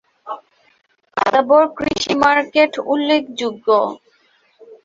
আদাবর কৃষি মার্কেট উল্লেখযোগ্য।